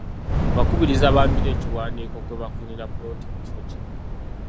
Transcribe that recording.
Abakubiriza banjule ebiwandiiko kwe baafunira poloti mu kifo kino.